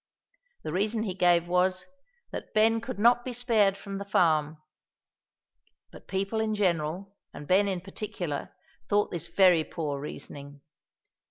The reason he gave was, that Ben could not be spared from the farm; but people in general, and Ben in particular, thought this very poor reasoning.